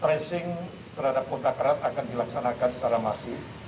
tracing terhadap kontak erat akan dilaksanakan secara masif